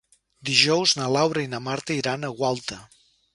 Dijous na Laura i na Marta iran a Gualta.